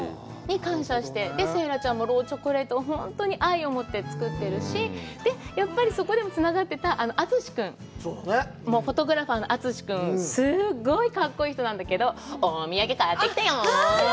感謝して、成来ちゃんもロールチョコレート、本当に愛を持って作ってるし、やっぱりそこでつながってた篤史君、フォトグラファーの篤史君、すごい格好いい人なんだけど、お土産買ってきたよ！